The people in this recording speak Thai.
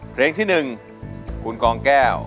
เพลงที่หนึ่ง